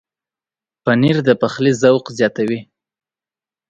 پنېر د پخلي ذوق زیاتوي.